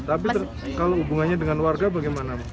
tapi kalau hubungannya dengan warga bagaimana